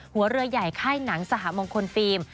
หัวเรือใหญ่ค่ายหนังสหมงคลฟิล์ม